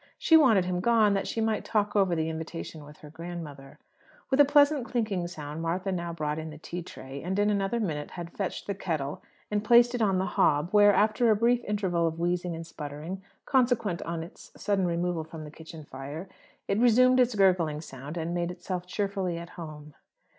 She wanted him gone, that she might "talk over" the invitation with her grandmother. With a pleasant clinking sound, Martha now brought in the tea tray; and in another minute had fetched the kettle and placed it on the hob, where, after a brief interval of wheezing and sputtering, consequent on its sudden removal from the kitchen fire, it resumed its gurgling sound, and made itself cheerfully at home.